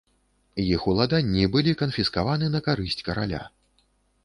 Іх уладанні былі канфіскаваны на карысць караля.